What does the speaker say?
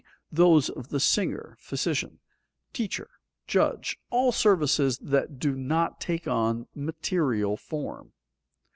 _, those of the singer, physician, teacher, judge all services that do not take on material form.